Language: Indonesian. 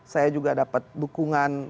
saya juga dapat dukungan